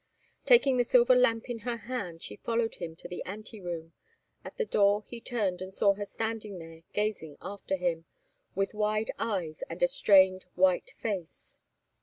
Taking the silver lamp in her hand, she followed him to the ante room. At the door he turned and saw her standing there gazing after him with wide eyes and a strained, white face.